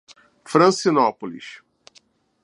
Francinópolis